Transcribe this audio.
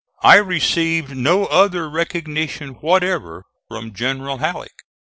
I received no other recognition whatever from General Halleck.